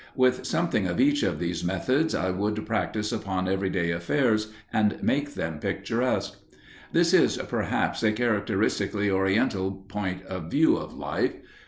With something of each of these methods, I would practice upon every day affairs, and make them picturesque. This is, perhaps, a characteristically Oriental point of view of life.